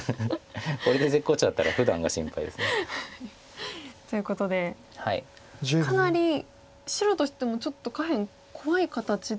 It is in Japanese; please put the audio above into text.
これで絶好調だったらふだんが心配です。ということでかなり白としてもちょっと下辺怖い形ではある？